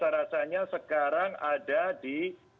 rasanya sekarang ada di